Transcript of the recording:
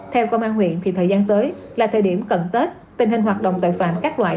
theo công an huyện thì thời gian tới là thời điểm cận tết tình hình hoạt động tội phạm các loại